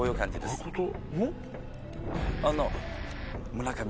どういうこと？